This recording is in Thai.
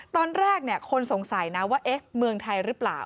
ตอนแรกคนสงสัยนะว่าเอ๊ะเมืองไทยหรือเปล่า